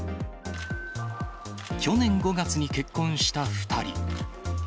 去年５月に結婚した２人。